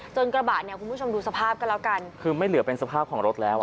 กระบะเนี่ยคุณผู้ชมดูสภาพก็แล้วกันคือไม่เหลือเป็นสภาพของรถแล้วอ่ะ